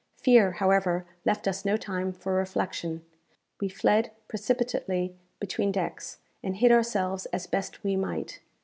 Fear, however, left us no time for reflection. We fled precipitately between decks, and hid ourselves as best we might.